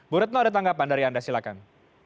bu retno ada tanggapan dari anda silahkan